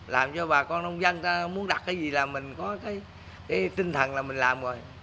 làm cho bà con nông dân ta muốn đặt cái gì là mình có cái tinh thần là mình làm rồi